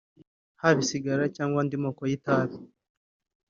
haba isigara cyangwa andi moko y’itabi